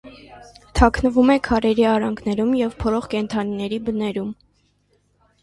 Թաքնվում է քարերի արանքներում և փորող կենդանիների բներում։